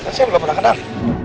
tapi saya belum pernah kenal